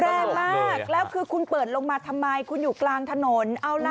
แรงมากแล้วคือคุณเปิดลงมาทำไมคุณอยู่กลางถนนเอาล่ะ